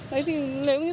đấy thì nếu như